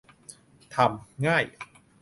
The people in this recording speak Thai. ทำง่าย